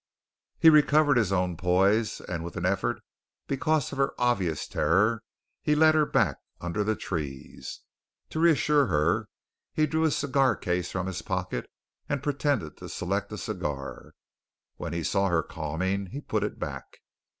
He recovered his own poise with an effort because of her obvious terror, and led her back under the trees. To reassure her he drew his cigar case from his pocket and pretended to select a cigar. When he saw her calming, he put it back.